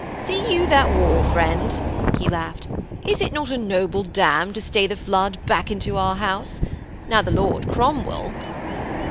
'See you that wall, friend?' he laughed. 'Is it not a noble dam to stay the flood back into our house? Now the Lord Cromwell....'